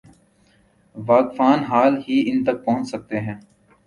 واقفان حال ہی ان تک پہنچ سکتے ہیں۔